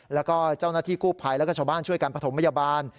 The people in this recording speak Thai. แล้วก็เจ้าหน้าที่กู้ภัยแล้วก็ชาวบ้านช่วยกันประถมพยาบาล